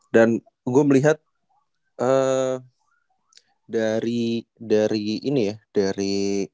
dan gue melihat dari dari ini ya dari